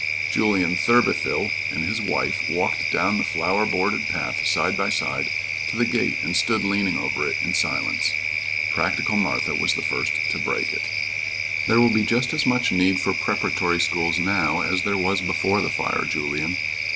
Julien Thurbyfil and his wife walked down the flower bordered path side by side to the gate and stood leaning over it in silence. Practical Martha was the first to break it. "There will be just as much need for preparatory schools now as there was before the fire, Julien."